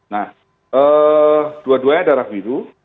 nah dua duanya darah biru